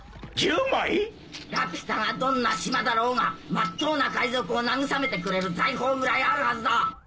・１０枚⁉・ラピュタがどんな島だろうがまっとうな海賊を慰めてくれる財宝ぐらいあるはずだ・